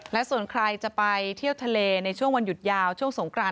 และส่วนใครจะไปเที่ยวทะเลในช่วงวันหยุดยาวช่วงสงกราน